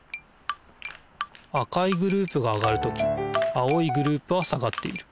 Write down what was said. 赤いグループが上がる時青いグループは下がっている。